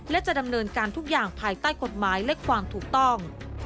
และจะดำเนินการทุกอย่างภายใต้กฎหมายและความถูกต้อง